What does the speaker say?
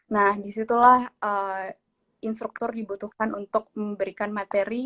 nah disitulah instruktur dibutuhkan untuk memberikan materi